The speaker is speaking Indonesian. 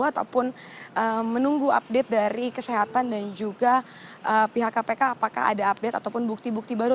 ataupun menunggu update dari kesehatan dan juga pihak kpk apakah ada update ataupun bukti bukti baru